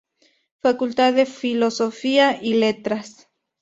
Facultad de Filosofía y Letras.